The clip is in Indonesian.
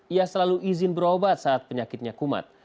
ia selalu izin berobat saat penyakitnya kumat